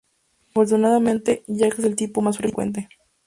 Afortunadamente, ya que es el tipo más frecuente.